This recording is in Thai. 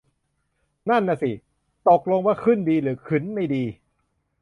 นั่นน่ะสิ ตกลงว่าขึ้นดีหรือขึนไม่ดี